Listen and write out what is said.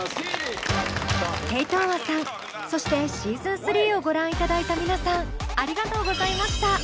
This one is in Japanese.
テイ・トウワさんそしてシーズン３をご覧いただいた皆さんありがとうございました。